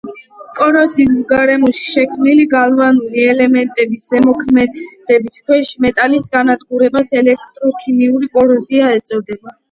კოროზიულ გარემოში შექმნილი გალვანური ელემენტების ზემოქმედების ქვეშ მეტალის განადგურებას ელექტროქიმიური კოროზია ეწოდება.